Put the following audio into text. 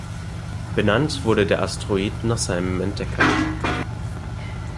Benannt wurde der Asteroid nach seinem Entdecker.